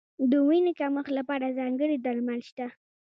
د وینې کمښت لپاره ځانګړي درمل شته.